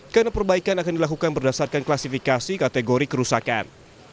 karena perbaikan akan dilakukan berdasarkan klasifikasi kategori kerusakan